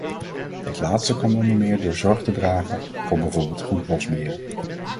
Dat laatste kan onder meer door zorg te dragen voor bijvoorbeeld goed bosbeheer.